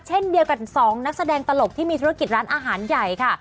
เช่นเดียวกับ๒นักแสดงตลกที่มีธุรกิจร้านอาหารใหญ่ค่ะ